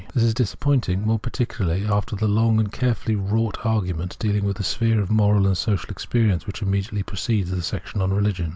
This is disappointing, more particularly after the long and carefully wrought argument dealing with the sphere of moral and social experience which immediately precedes the section on Rehgion.